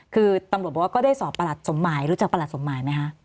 คือตำรวจบอกว่าก็ได้สอบประหลัดสมหมายรู้จักประหลัดสมหมายไหมคะ